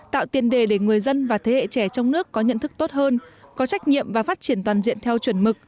tạo tiền đề để người dân và thế hệ trẻ trong nước có nhận thức tốt hơn có trách nhiệm và phát triển toàn diện theo chuẩn mực